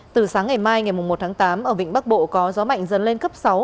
từ sáng ngày mai ngày một tháng tám ở vịnh bắc bộ có gió mạnh dần lên cấp sáu